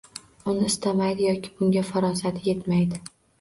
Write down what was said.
Uni istamaydi yoki bunga farosati yetmaydi.